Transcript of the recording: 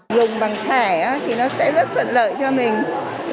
dùng bằng thẻ thì nó sẽ rất thuận lợi cho mình